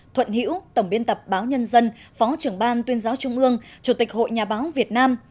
thuận hiễu tổng biên tập báo nhân dân phó trưởng ban tuyên giáo trung ương chủ tịch hội nhà báo việt nam